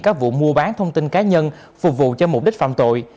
các vụ mua bán thông tin cá nhân phục vụ cho mục đích phạm tội